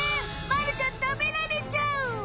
まるちゃん食べられちゃう！